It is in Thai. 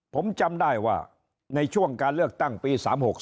ผมจำได้ว่าในช่วงการเลือกตั้งปี๓๖๒